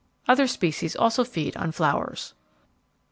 Other species also feed on flowers."